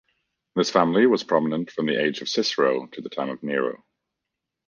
This family was prominent from the age of Cicero to the time of Nero.